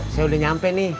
saya udah nyampe nih